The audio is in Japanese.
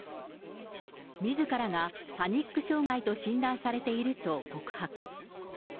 みずからがパニック障害と診断されていると告白。